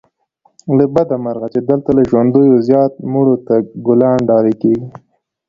له بده مرغه چې دلته له ژوندیو زيات مړو ته ګلان ډالې کېږي